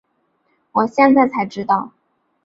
我现在才知道